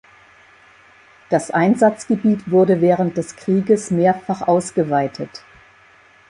Das Einsatzgebiet wurde während des Krieges mehrfach ausgeweitet.